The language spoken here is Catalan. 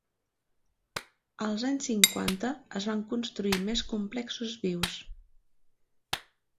Als anys cinquanta, es van construir més complexos vius.